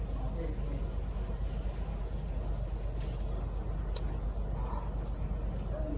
สวัสดีครับทุกคน